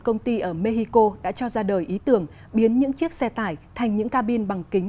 trường hợp ở mexico đã cho ra đời ý tưởng biến những chiếc xe tải thành những cabin bằng kính